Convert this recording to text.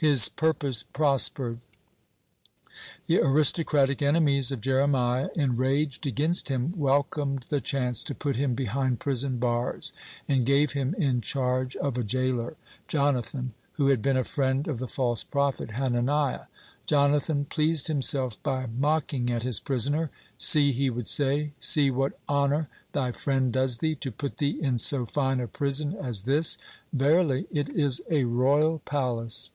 His purpose prospered. The aristocratic enemies of Jeremiah, enraged against him, welcomed the chance to put him behind prison bars, and gave him in charge of a jailer, Jonathan, who had been a friend of the false prophet Hananiah. Jonathan pleased himself by mocking at his prisoner: "See," he would say, "see what honor thy friend does thee, to put thee in so fine a prison as this; verily, it is a royal palace."